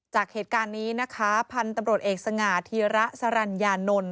จากเหตุการณ์นี้นะคะพันธุ์ตำรวจเอกสง่าธีระสรัญญานนท์